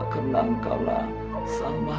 sembuhkanlah ya allah